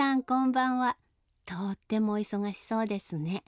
こんばんはとってもお忙しそうですね。